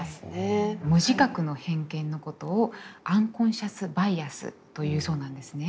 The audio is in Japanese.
無自覚の偏見のことをアンコンシャス・バイアスというそうなんですね。